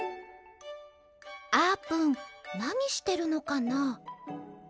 あーぷんなにしてるのかな？